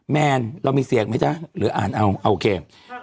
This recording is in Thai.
แมนเรามีเสียงไหมจ๊ะหรืออ่านเอาโอเค